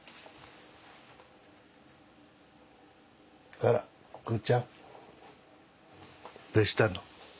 ・あらくうちゃん。どうしたの。